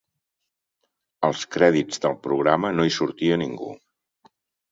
Als crèdits del programa no hi sortia ningú.